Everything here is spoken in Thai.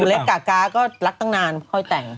เหมือนของนี่หนุเรศกะการก็รักตั้งนานค่อยแต่ง